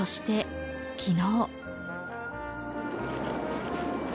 そして昨日。